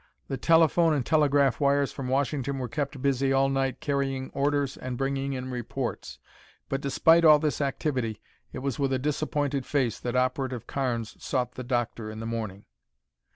The telephone and telegraph wires from Washington were kept busy all night carrying orders and bringing in reports. But despite all this activity, it was with a disappointed face that Operative Carnes sought the doctor in the morning.